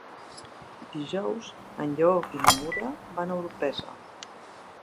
Dijous en Lleó i na Nura van a Orpesa.